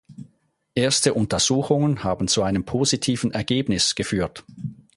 Erste Untersuchungen haben zu einem positiven Ergebnis geführt.